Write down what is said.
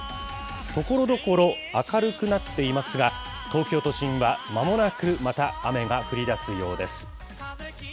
ところどころ明るくなっていますが、東京都心は、まもなくまた雨が降りだすようです。